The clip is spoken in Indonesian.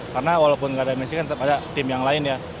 karena walaupun gak ada messi kan tetap ada tim yang lain ya